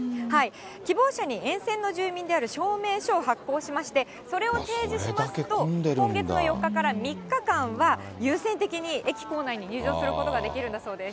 希望者に沿線の住民である証明書を発行しまして、それを提示しますと、今月の４日から３日間は、優先的に駅構内に入場することができるんだそうです。